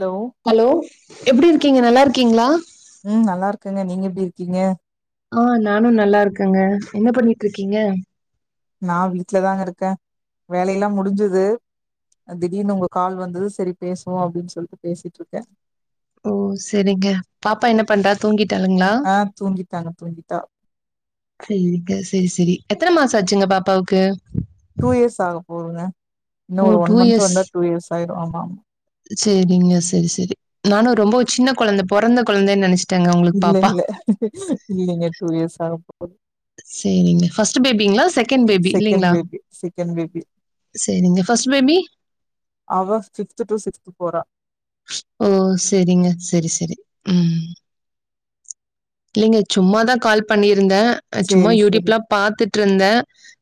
Hello hello எப்டி இருக்கீங்க நல்லா இருக்கீங்களா ம் நல்லா இருக்கங்க நீங்க எப்டி இருக்கீங்க ஆ நானு நல்லா இருக்கேங்க என்ன பண்ணிட் இருக்கீங்க நா வீட்டுலதான்ங்க இருக்கே வேலையெல்லா முடிஞ்சது திடீர்னு உங்க கால் வந்தது சரி பேசுவோ அப்டின் சொல்ட்டு பேசிட்ருக்கே ஓ சரிங்க பாப்பா என்ன பண்றா தூங்கிட் ட்டாளுங்களா ஆ தூங்கிட்டாங்க தூங்கிட்டா சரிங்க சரி சரி எத்தன மாச ஆச்சுங்க பாப்பாவுக்கு டூ இயர்ஸ் ஆக போதுங்க இன்னு ஒரு ஓ ஒன் டூ மந்த் வந்தா டூ இயர்ஸ் ஆயிரு ஆமா ஆமா சேரிங்க சேரி சேரி நானு ரொம்ப சின்ன கொழந்த பொறந்த கொழந்தன்னு நினைச் இல்ல இல்ல இல்லைங்க டூ இயர்ஸ் ஆகப் சேரிங்க ஃபர்ஸ்ட் பேபிங்களா செகண்ட் பேபி செகண்ட் இல்லங்களா பேபி செகண்ட் பேபி சேரிங்க ஃபர்ஸ்ட் பேபி அவ ஃபிப்த் டு சிக்த் போறா ஓ செரிங்க செரி செரி ம் இல்லைங்க சும்மாதா கால் பண்ணி இருந்தே சும்மா சேரி யூடியூப் சேரி லா பாத்துட்ருந்தே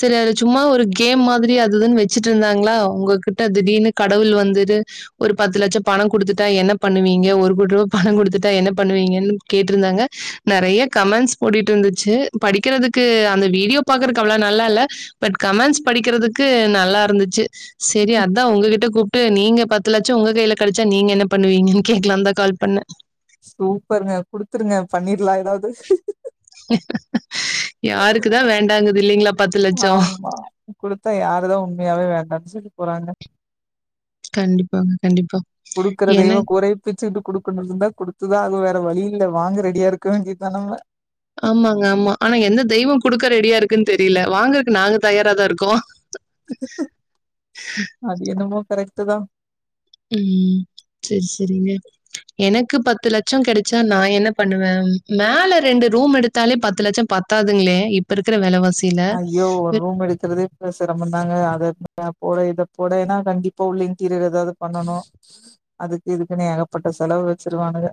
சரி அது சும்மா ஒரு கேம் மாதிரி அது இதுன்னு வச்சிட்டு இருந்தாங்களா உங்ககிட்ட திடீர்னு கடவுள் வந்துடு ஒரு பத்து லட்ச பணம் கொடுத்துட்டா என்ன பண்ணுவீங்க ஒரு கோடி ரூபா பணம் கொடுத்துட்டா என்ன பண்ணுவீங்கன்னு கேட்ருந்தாங்க நெறய கமெண்ட்ஸ் ஓடிட்டு இருந்துச்சு படிக்கிறதுக்கு அந்த வீடியோ பாக்கறக்கு அவ்ள நல்லா இல்ல பட் கமெண்ட்ஸ் படிக்கிறதுக்கு நல்லா இருந்துச்சு சரி அதா உங்ககிட்ட கூப்ட்டு நீங்க பத்து லட்ச உங்க கைல கெடச்சா நீங்க என்ன பண்ணுவீங்கன்னு கேக்கலாந்தா கால் பண்ண சூப்பருங்க குடுத்துருங்க பண்ணிரலா எதாவது யாருக்குதா வேண்டாங்குது இல்லைங்களா பத்து லட்ச ஆமா குடுத்தா யாரு தா உண்மையாவே வேண்டானு சொல்ல போறாங்க கண்டிப்பாங்க கண்டிப்பா கொடுக்குற என தெய்வ கூரைய பிச்சுக்கிட்டு கொடுக்கு இருந்தா குடுத்துதா ஆகு வேற வழி இல் இல்ல வாங்க ரெடியா இருக் வேண்டி தா நம்ம ஆமாங்க ஆமா ஆனா எந்த தெய்வ கொடுக்க ரெடியா இருக்குன்னு தெரியல வாங்குறக்கு நாங்க தயாராதா இருக்கோ அது என்னமோ கரெக்டுதா ம் செரி செரிங்க எனக்கு பத்து லட்ச கிடைச்சா நா என்ன பண்ணுவே மேல ரெண்டு ரூம் எடுத்தாலே பத்து லட்ச பத் தாதுங்களே இப்ப இருக்ற வெலவாசி ஐயோ ஒரு ரூம் எடுக்றதே இப்ப செரமந்தாங்க அத போட இத போட ஏன்னா கண்டிப்பா உள்ள இன்டீரியர் எதாவது பண்ணனு அதுக் இதுக்குன்னே ஏகப்பட்ட செலவ் வு வச்சுருவானுங்க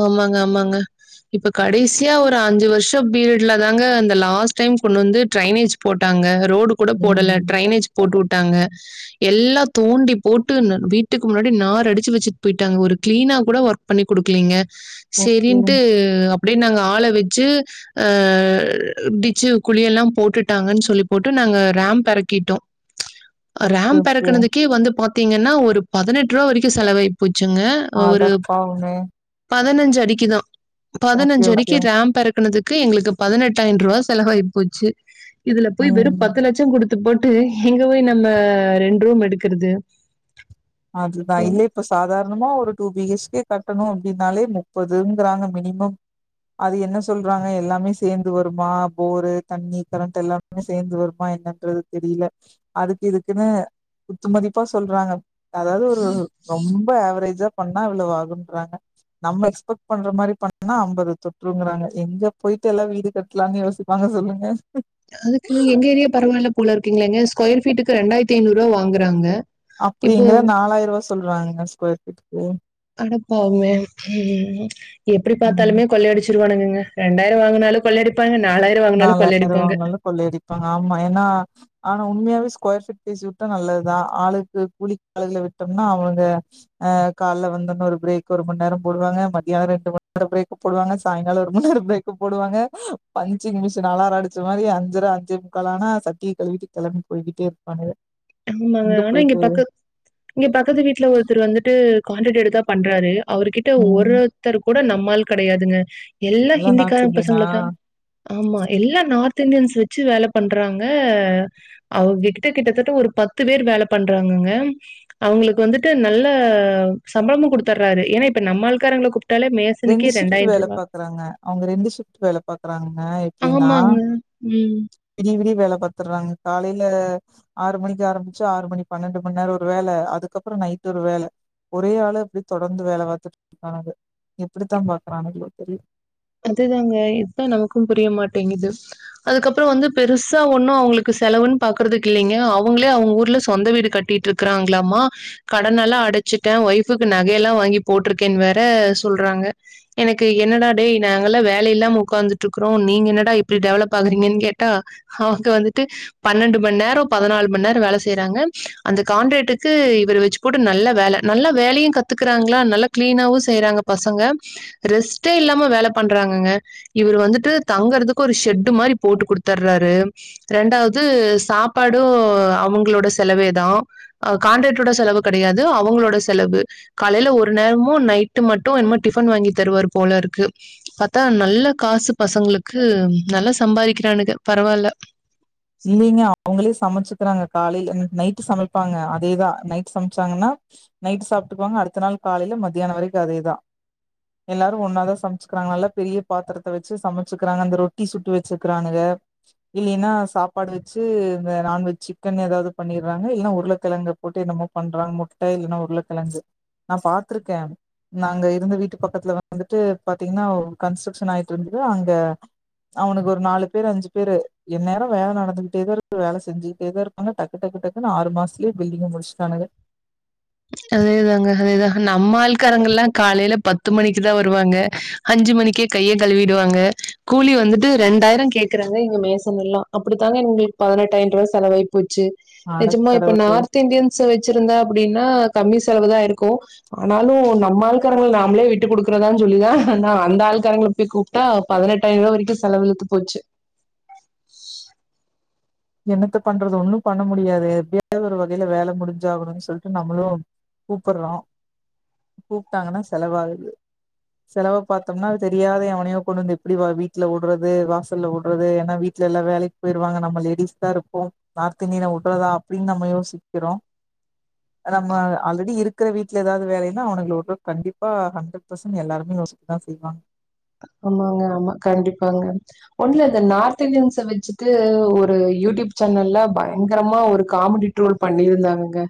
ஆமாங்க ஆமாங்க இப்ப கடைசியா ஒரு அஞ்சு வருஷ பீரியட்ல தாங்க அந்த லாஸ்ட் டைம் கொண்டு வந்து டிரைனேஜ் போட்டாங்க ரோடு கூட போடல ம் ட்ரைனேஜ் போட்டு வுட்டாங்க எல்லா தோண்டி போட்டு வீட்டுக்கு முன்னாடி நார அடிச்சு வச்சுட்டு போயிட்டாங்க ஒரு கிளீனா கூட ஒர்க் பண்ணி குடுக்லீங்க ஓகே சரின்ட்டு அப்டியே நாங்க ஆள வச்சு ஆ டிச்சு குழிய எல்லா போட்டுட்டாங்கன்னு சொல்லி போட்டு நாங்க ரேம் பெறக்கிட்டோ ஓகே ரேம் ஓகே பெறக்கனதுக்கே வந்து பாத்தீங்கன்னா ஒரு பதினெட் ரூவா வரைக்கு செலவாயி பூச்சுங்க அட ஒரு பாவமே பதினஞ்சு அடிக்குதா ஓகே பதினஞ்சு அடிக்கு ஓகே ரேம் பெறக்குனதுக் எங்ளுக்கு பதினெட்டயிரன் ரூவா செலவாய்போச்சு இதுல போய் வெறு ம் பத்து லட்சங்குடுத் போட்டு எங்க ஒய் நம்ம ரெண்ரூம் எடுக்குற்து அதுதா இல்ல இப்ப சாதார்ணமா ஒரு டூ பிஹெச்கே கட்டணு அப்டின்னாலே முப்பதுங்குறாங்க மினிமம் அது என்ன சொல்றாங்க எல்லாமே சேந்து வருமா போரு தண்ணி கரண்ட் எல்லாமே சேந்து வர்மா என்னன்றது தெரிய்ல அதுக் இதுக்குனு குத்துமதிப்பா சொல்றாங்க அதாது ஒரு ரொம்ப ஆவ்ரேஜா பண்ணா இவ்ளோ ஆகுன்றாங்க நம்ம எக்ஸ்பெக் பண்ற மாரி பண்ணா அம்பது தொற்றுங்குறாங்க எங்க போய் எல்லா வீடு கட்லான் யோசிப்பாங்க சொல்லுங்க அதுக்கு எங் ஏரியா பரவால்ல போலர்க்குங்லேங்க ஸ்கொயர் ஃபீட்டுக்கு ரெண்டாயித்தி ஐநூறுவா வாங்குறாங்க அப்புடி இப்போ இங்கல்லா நாலாயர்வா சொல்றாங்கக ஸ்கொயர் ஃபீட் அடப்பாவுமே எப்டி ம் பாத்தாலுமே கொள்ளையடிச் திருவானுங்கங்க ரெண்டாயிர வாங்குனாலு கொள்ளையடிப்பாங்கன் நாலாயர் வாங்னாலு கொள்ளயடிப்பாங்க ஆமா ஏன்னா ஆனோ உண்ம்யாவே ஸ்கொயர் ஃபீட் பேசி உட்டா நல்லதுதா ஆளுக்கு கூலிக் ஆளுக்ள விட்டம்னா அவுனுக அ கால்ல வந்தொன்ன ஒரு பிரேக் ஒருமன் நேரொ போடுவாங்க மதியா ரெண்டு மண்நேரொ பிரேக்கு போடுவாங்க சாய்கால ஒரு மண்நேர பிரேக் பு போடுவாங்க பஞ் சிங் மிஷன் அலார அடிச்ச மாரி அஞ்சர அஞ்சே முக்கால் ஆன சத்திய கழுவிட்டு கெளம் போய்கிட்டே இருப்பானுக எம் மங்க எங்க அனா இங்க போயிட்டு பக்க இங்க பக்கத்து வீட்ல ஒருத்தர் வந்துட்டு காண்டெட் எடுத்தா பண்றாரு அவுர்கிட்ட ம் ஒரு அத்தர் கூட நம்மால் கடையாதுங்க எல்லா ஹிந்திகாரங் பசங்கள ட ஆமா எல்லா நார்த் தின்டியன்ஸ் வச்சு வேல பண்றாங்க அவுங்க கிட்ட கிட்டத்தட்ட ஒரு பத்து வேர் வேல பண்றாங்கங்க அவுங்ளுக் வந்துட்டு நல்ல சம்பளமு குடுத்தற்றாரு எ ஏன்னா இப்ப நம்மாள் காரங்ள கூப் ரெண்டு ஷிஃப்ட் வேல பாக்குறாங்க அவுங்க ரெண்டு ஷிஃப்ட் வேல பாக்குறாங்க எப்டின்னா ஆமாங்க. ம். விடி விடிவ் வேல பத்துறாற்ங்க காலைல ஆறு மணிக்கு ஆரம்ச் ஆறு மணி பன்னண்டு மண நேர ஒரு வேலை அதுக்கப்பரொ நைட் ஒரு வேல ஒரே ஆளு அப்டி தொடர்ந்து வேல பாத்துட் கனகு இப்புடுதா பாக்குறானுங்ளோ தெரிய் அதுதாங்க இத்தா நமக்கு புரிய மாட்டேங்குது அதுக்கப்பற வந்து பெருசா ஒன்னு அவுங்ளுக்கு செலவுன் பாக்குறதுக் இல்லிங்க அவுங்ளே அவுங்க ஊர்ல சொந்த வீடு கட்டிட்ருக்குறாங்ளாமா கடனலா அட விச்சிட்ட ஒய்ஃபுக்கு நகயெல்லா வாங்கி போட்ருக்கேன் வேற சொல்றாங்க எனக்கு என்னடா டேய் நாங்கல்லா வேலை இல்லாம உக்கார்ந்துட்ருக்குறோ நீங்க என்னடா இப்டி டெவலப் ஆகுறீங்கன் கேட்டா அவுங்க வந்துட் பன்னண்டு மண் நேரொ பதனால் மண் நேர வேல செய்றாங்க அந்த காண்ரேட்டுக்கு இவரு வெச்கூடு நல் ல்ல வேல நல்ல வேலயு கத்துக்குறாங்ளா நல்லா க்ளீனாவு செய்றாங்க பசங்க ரெஸ்டே இல்லா ம வேல பண்றாங்கங்க இவுரு வந்துட்டு தங்கறதுக் ஒரு ஷெட்டு மாரி போட்டு குடுத்தற்றாரு ரெண்டாவுது சாப்பாடு அவுங்ளோட செலவே தா காண்ரேட்டோட செலவு கடயாது து அவங்ளோட செலவு காலைல ஒரு நேரமு நைட்டு மட்டு என்மோ டிஃபன் வாங்கி தருவார் போலர்க்கு பத்தா நல்ல காசு பசங்ளுக்கு நல்ல சம்பாரிக்கிறானுக பரவால்ல இல்லிங்க அவுங்களே சமச்சு குறாங்க காலைல நைட்டு சமைப்பாங்க அதேதா நைட்டு சம்ச்சாங்கனா நைட் சாப்ட்க்குவாங்க அடுத்த நாள் காலைல மத்யான வரைக்கு அதேதா எல்லாரு ஒன்னாதா சம்ச்சுக்குறாங்க நல்லா பெரிய பாத்துரத்த வெச்சு சமச்சுக்குறாங்க அந்த ரொட்டி சுட்டு வெச்சுக்றானுக இல்லினா சாப் ப்பாடு வெச்சு இந்த நான்வெஜ் சிக்கனே ஏதாது பண்ணிறாங்க இல்னா உருளக்கெழங்க போட்டு என்னமோ பண்றாங் முட்ட இல்ன்னா உருளகெழங்கு நா பாத்ருக்கே நாங்க இருந்த வீட்டு பக்கத்ல வந்துட்டு பாத்தீங்னா ஒ கன்ஸ்ட்ரக்ஷன் ஆயிட்ருந்து து அங்க அவுனுக்கு ஒரு நாலு பேர் அஞ்சு பேரு என் நேரொ வேல நடந் வன்ட்டே தா இருக்கு வேல செஞ்சுகிட்டே தா இர்ப்பாங்க டக்கு டக்கு டக்குனு ஆறு மாஸ்த்லே பில்டிங்க முடிசஷ்ட்டானுக அதேதாங்க அதேதா நம்ம ஆள்காரங்கல்லா காலேல பத்து மணிக்குதா வருவாங்க அஞ்சு ம ணிகே கைய கழுவிடுவாங்க கூலி வந்துட்டு ரெண்டாய்ரோ கேக்குறாங்க இங்க மேசெம் எல்லா அப்புடித்தாங்க எங்ளு பதினெட்டாய்ன்ருவா செலவாய் போச்சு அட நெஜமா இப்ப கடவுளே நார்த் இந்தியன்ஸ வச்சிருந்த அப்புடினா கம்மி செலவு தா ஆய்ருக்கு ஆனாலு நம்ம ஆள்காரங்கள் நாம்ளே விட்டு குடுக்குறதான் சொல்லிதா நா அந்தா ஆள்காரங்ள போய் கூப்ட்டா பதினெட்டாய்ர்வா வரைக்கு செலவு இழுத்து போச்சு என்னத்த பண்றது ஒன்னு பண்ண முடியாது எப்டியாது ஒரு வகேல வேல முடிஞ்சாகணுன் சொல்ட்டு நம்ளு கூப்புர்றோ கூப்பிட்டாங்கனா செலவாகுது செலவ பாத்தோம்னா தெரியாத எவனையோ கொண்டு வந்து எப்டி வா வீட்ல உடுறது வாசல்ல உடுறது ஏனா வீட் ட்லெல்லா வேலைக் பேய்ருவாங்க நம்ம லேடிஸ் தா இருப்போ நார்த் இந்தியன உட்றதா அப்டின் நம்ம யோசிக்கிறோ நம்ம ஆல்ரெடி இருக்கிற வீட்ல எதாவ்து வேலேன்னா அவனுங்குள உட்டு கண்டிப்பா ஹண்ட்ரட் பர்சன் எல்லாருமே யோசித்துதா செய்வாங்க ஆமாங்க ஆமா கண்டிப்பாங்க ஒன்ல இந்த நார்த் இந்தியன்ஸ வச்சுட்டு ஒரு யூட் டியூப் சேனல்ல பயங்ரமா ஒரு காமடி ட்ரோல் பண்ணிருந்தாங்கங்க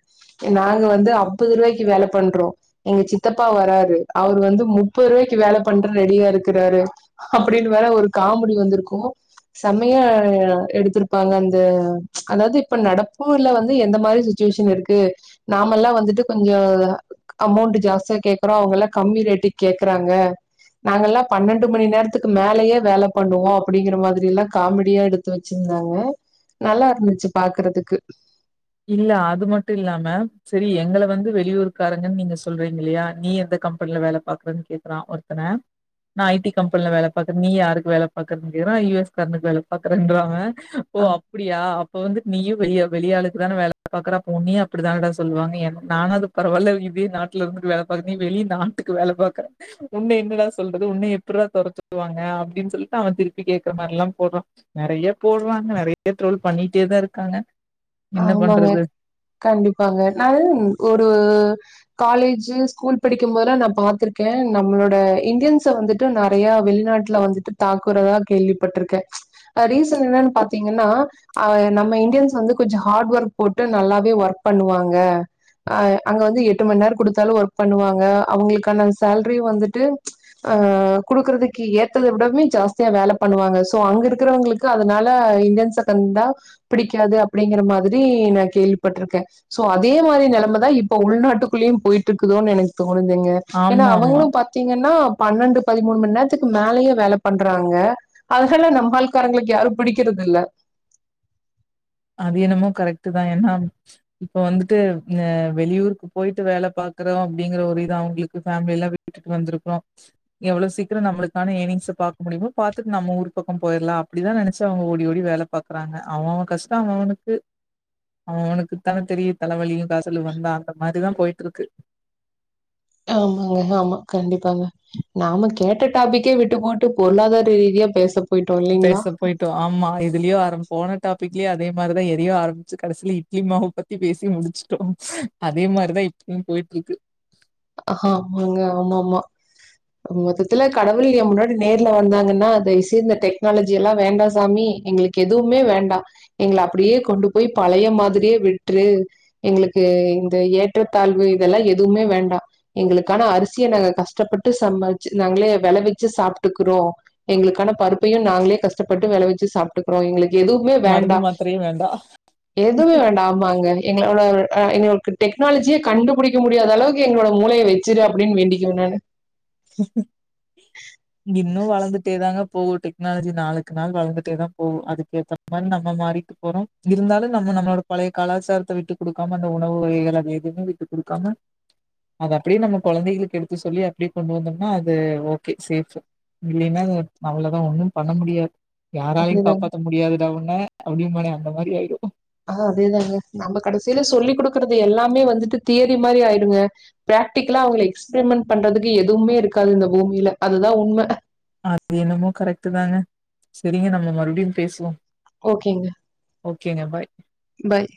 நாங்க வந்து அப்பதுரே மைக்கி வேல பண்றோ எங்க சித்தப்பா வராரு அவர் வந்து முப்பதுருவாய்க்கு வேல பண்ற ரெடியா இரு க்குறாரு அப்புடின் வேற ஒரு காமடி வந்திருக்கூ செமையா எடுத்திருப்பாங்க அந்த அதாவ்து இப்ப நடப்பூர்ல வந்து எந்த மாரி சிட்ச் சுவேஷன் இருக்கு நாமல்லா வந்துட்டு கொஞ்சோ அமௌண்டு ஜாஸ்தியா கேக்குறோ அவுங்குல்லா கம்மி ரே டிக கேக்குறாங்க நாங்கெல்லா பன்ணண்டு மணி நேர்த்துக்கு மேலயே வேல பண்ணுவோ அப்புடிங்கிற மாதிரிலா காமெடியா எடுத்து வச்சிர்ந்தாங்க நல்லா இருந்துச்சு பாக்குறதுக்கு இல்ல அது மட்டு இல்லாம செரி எங்கள வந்து வெளியூர் காரங்கன் நீங்க சொல்றீங் இல்லையா நீ எந்த கம்பன்ல வேல பாக்றன் கேக்குறான் ஒருத்தன நான் ஐ டி கம்பன்ல வேல பாக்குர் நீ யாருக்கு வேல பாக்கற்து செய்றான் யு எஸ் கார்னுக் வேல பாக்குறன்றா அவன் ஓ ஆ அப்புடியா அப்போ வந்து நீயு வெளிய வெளியாலு சூப்புரான வேல பாக்குறா இப் ஒன்னியு அப்டித்தானடா சொல்வாங்க என் நானாது பராவால இதே நாட்ல இருந்துட்டு வேல பாக்கு நீ வெள் நீ நாட்டுக்கு வேலை பாக்ற உன்ன என்னடா சொல்றது உன்ன எப்புட்றா தொற சொல்லுவாங்க அப்டின் சொல்ட்டு அவன் திருப் பி கேக்குற மார்லா போட்றான் நெறைய போடுவாங்க நெறைய பேர் ட்ரோல் பண்ணிட்டே தா இருக்காங்க என்ன ஆமாங்க பண்றது? கண்டிப்பாங்க நல்ன் ஒரு காலேஜு ஸ்கூல் படிக்கும் போதுலா நான் பாத்திருக்கேன் நம்ளோட இந்தியன்ஸ வந்துட்டு நறையா வெளிநா ட்ல வந்துட்டு தாக்குறதா கேள்விபட்ருக்கே ஆ ரீசன் என்னனு பாத்தீங்கன்னா ஆ நம்ம இந்தியன்ஸ் வந்து கொஞ்சோ ஹார்ட் ஒர்க் போட்டு நல்லாவே ஒர்க் பண்ணுவாங்க ஆ அங்க வந்து எட்டு மண் நேர் குடுத்தாலு ஒர்க் பண்ணுவாங்க அவுங்கிளுக்கான சேல்ரி வந்துட்டு ஆ குடுக்குறதுக்கு ஏத்தத விடமே ஜாஸ்தியா வேல பண்ணுவாங்க சோ அங்க இருக்குறவுங்ளுக்கு அதனால இந்தியன்ஸா பெர்ந்தா பிடிக்காது அப் பிடிங்கிற மாதிரி நான் கேள்விப்பட்ருக்கே சோ அதே மாரி நெலமதா இப்போ உள்நாட்டுக்குள்ளயு போய்ட்டிருக்குது தோன் எனக் தோணுதுங்க ஏனா ஆமாமா. அவங்குளு பாத்தீங்கனா பன்ணண்டு பதிமூண்ம நேர்த்துக்கு மேலயே வேல பண்றாங்க அதனால நம்மால்காரங்ளுக்கு யாரு பிடிக்கிற இல்ல [inaudible] அது என்னமோ கரெக்ட்டு தா ஏனா இப்ப வந்துட்டு ங்க வெளியூருக்கு போயிட்டு வேல பாக்குறோ அப்டிங்கிற ஒரு இதா அவுங்ளுக்கு ஃபேம்லிலா விட்டுட்டு வந்திருக்கோ எவ்ளோ சீக்ரோ நம்ளுக்கான ஏன்னிங்ஸ பாக்கு டிமோ பாத்துட்டு நம்ம ஊரு பக்கோ போய்ர்லா அப்டிதா நெனச்சு அவுங்க ஓடி ஓடி வேல பாக்குறாங்க அவோவோ கஷ் டா அவனுக்கு அவனுனக்குத்தான் தெரியு தலைவலியு காசலு வந்தா அந்த மாதிதா போய்ட்ருக்கு ஆமாங்க ஆமா கண்டிப்பாங்க நாம கேட்ட டாபிக்கே விட்டு போட்டு பொருளாதார ரீதியா பேச போயிட்டோ இல்லைங்களா பேச போய்ட்டோ ஆமா எதுல்யோ ஆரம் போன டாப் பிக்லி அதே மாரிதா எதியோ ஆரம்பிச்சு கடசில இட்லி மாவு பத்தி பேசி முடிச்சுட்டோ அதே மாரிதா ஈப் பும் போய்ட்ருக்கு ஹாமாங்க ஆமா ஆமா மொத்தத்துல கடவுள் ஏ முன்னாடி நேர்ல வந்தாங்கன்னா தைவ்செய் இந்த டெக்னாலஜி எல்லா வேண்டா சாமி எங்களுக்கு எதுவுமே வேண்டா எங்கள அப்படியே கொண்டு போய் பழைய மாதிரியே விட்று எங்களுக் க்கு இந்த ஏற்றத்தாழ்வு இதெல்லா எதுவுமே வேண்டா எங்களுக்கான அரிசிய நாங்க கஷ்டப்பட்டு சம்பார்ச்சு நாங்களே வெளவெச்சு சாப்ட்டுக்குறோ எங்களு க்கான பருப்பையு நாங்களே கஷ்டப்பட்டு வெல வெச்சு சாப்ட்டுக்குறோ எங்களுக் எதுவுமே வேண்டா மருந்து மாத்திரையே வேண்டாம். எதுமே வேண்டா ஆமாங்க எங்களோட ஆஹ் எங்களுக்கு டெக்னாலஜியே கண்டுபுடிக்க முடியாத அளவுக்கு எங்களோட மூளைய வெச்சுரு அப்டின்னு வேண்டிக்குவ நானு இன்னு வள வளந்துட்டே தாங்க போகு டெக்னாலஜி நாளுக்கு நாள் வளந்துட்டே தா போகு அதுக்கேத்த மாரி நம்ம மாறிக்க போறோ இருந்தாலு நம்ம நம்மளோட பழைய கலாச்சாரத்த விட்டு குடுக்காம அந்த உணவு வகைகள் அது எதுமே விட்டுக் குடுக்காம அதப்டியே நம்ம கொழந்தைகளுக்கு எடுத்து சொல்லி அப்டி கொண்டு வந்தோம்னா அது ஓகே சேஃபு இல்லைன்னா அவளதா ஒண்ணும் பண்ண முடியாத் யாராலையு அதேதாங்க. காப்பாத்த முடியாதுடா உண்ண அப்டி மானே அந்த மாரி ஆய் சில சொல்லி குடுக்கறது எல்லாமே வந்துட்டு தியரி மாரி ஆயிடுங்க பிராக்டிகலா அவுங்கள எக்ஸ்பிரிமெண்ட் பண்றதுக் எதுவுமே இருக்காது இந்த பூமில அதுதா உண்ம அது என்னமோ கரெக்ட்டு தாங்க சரிங்க நம்ம மறுவுடியு பேசுவோ ஓகேங்க ஓகேங்க பாய் பாய்